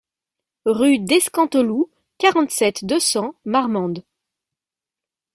Rue d'Escanteloup, quarante-sept, deux cents Marmande